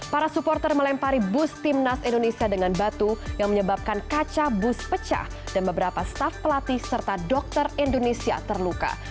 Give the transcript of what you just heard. para supporter melempari bus timnas indonesia dengan batu yang menyebabkan kaca bus pecah dan beberapa staff pelatih serta dokter indonesia terluka